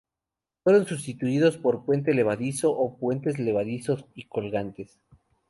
Fueron sustituidos por puente levadizo o puentes levadizos y colgantes.